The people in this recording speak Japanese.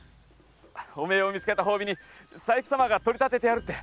お前を見つけた褒美に佐伯様が取り立ててやるって。